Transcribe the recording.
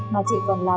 mà chị còn là